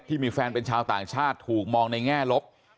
ที่มีแฟนเป็นชาวต่างชาติถูกมองในแง่ลบ